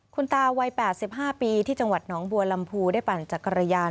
คุณตาวัย๘๕ปีที่จังหวัดหนองบัวลำพูได้ปั่นจักรยาน